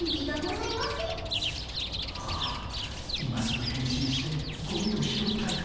今すぐ変身してゴミを拾いたい。